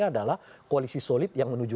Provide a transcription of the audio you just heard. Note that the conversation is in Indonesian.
adalah koalisi solid yang menuju